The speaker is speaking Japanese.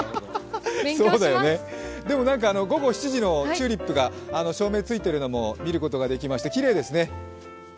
でも午後７時のチューリップが照明ついてるのを見ることができまして、きれいですね。